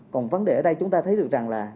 còn vấn đề ở đây chúng ta thấy được rằng là